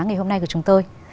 ngày hôm nay của chúng tôi